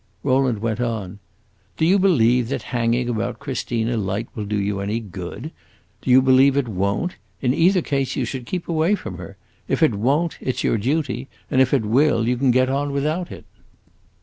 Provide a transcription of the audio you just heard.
Rowland went on. "Do you believe that hanging about Christina Light will do you any good? Do you believe it won't? In either case you should keep away from her. If it won't, it 's your duty; and if it will, you can get on without it."